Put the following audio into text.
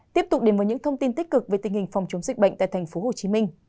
tiếp tục đến với những thông tin tích cực về tình hình phòng chống dịch bệnh tại tp hcm